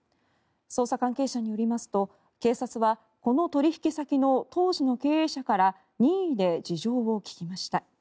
捜査関係者によりますと警察はこの取引先の当時の経営者から任意で事情を聴きました。